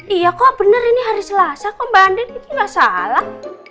iya kok bener ini hari selasa kok mbak andin ini gak salah